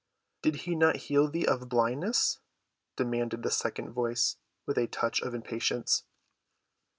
"Did he not heal thee of blindness?" demanded the second voice with a touch of impatience.